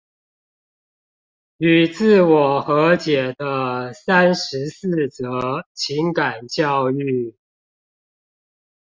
與自我和解的三十四則情感教育